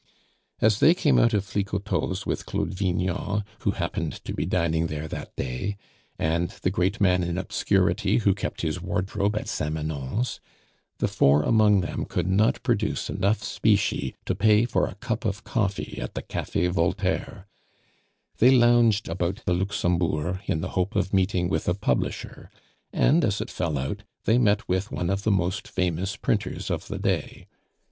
As they came out of Flicoteaux's with Claude Vignon (who happened to be dining there that day) and the great man in obscurity, who kept his wardrobe at Samanon's, the four among them could not produce enough specie to pay for a cup of coffee at the Cafe Voltaire. They lounged about the Luxembourg in the hope of meeting with a publisher; and, as it fell out, they met with one of the most famous printers of the day.